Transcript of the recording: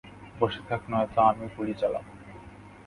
বসে থাক নয়তো আমি গুলি চালাবো।